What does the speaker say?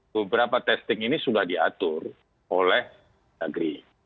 beberapa testing ini sudah diatur oleh negeri